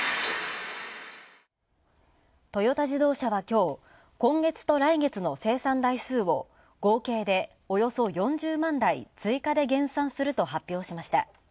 トヨタ自動車はきょう、今月と来月の生産台数を合計でおよそ４０万台追加で減産すると発表しました。